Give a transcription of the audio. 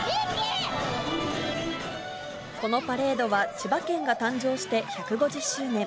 このパレードは千葉県が誕生して１５０周年。